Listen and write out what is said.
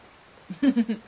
フフフフ。